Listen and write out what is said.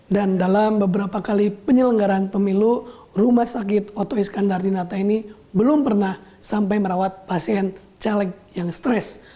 dan dalam beberapa kali penyelenggaran pemilu rumah sakit otoh iskandar dinata ini belum pernah sampai merawat pasien caleg yang stres